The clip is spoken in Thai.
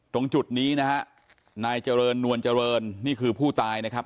ตรงจุดนี้นะฮะนายเจริญนวลเจริญนี่คือผู้ตายนะครับ